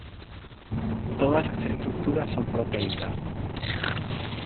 Todas las estructuras son proteicas.